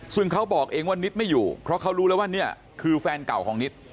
ซึ่งเขาบอกเองว่านิดไม่อยู่เพราะเขารู้แล้วว่าเนี่ยคือแฟนเก่าของนิด